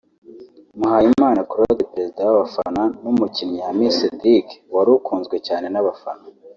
Muhayimana Claude perezida w’abafana n’umukinnyi Hamisi Cedric wari ukunzwe cyane n’abafana